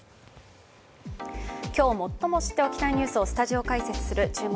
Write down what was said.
今日最も知っておきたいニュースをスタジオ解説する「注目！